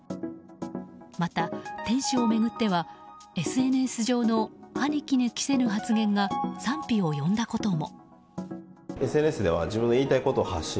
また、店主を巡ってはＳＮＳ上の歯に衣着せぬ発言が賛否を呼んだことも。